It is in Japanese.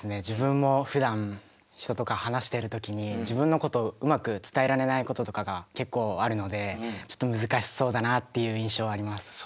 自分もふだん人とか話してる時に自分のことをうまく伝えられないこととかが結構あるのでちょっと難しそうだなっていう印象はあります。